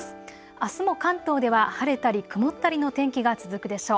あすも関東では晴れたり曇ったりの天気が続くでしょう。